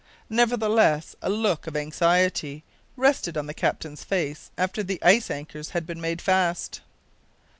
Nevertheless a look of anxiety rested on the captain's face after the ice anchors had been made fast.